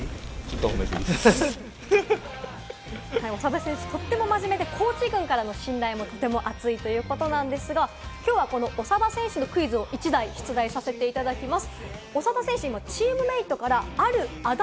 長田選手、とても真面目でコーチ陣からの信頼もとても厚いということなんですが、長田選手のクイズを１題、出題させていただきます。